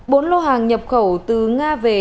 bốn lô hàng nhập khẩu từ nga về